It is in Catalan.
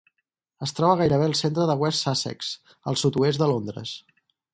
Es troba gairebé al centre a West Sussex, al sud-oest de Londres.